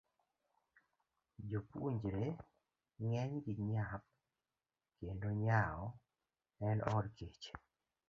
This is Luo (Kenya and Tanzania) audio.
Jopuonjre ng'enygi nyap kendo nyao en od kech.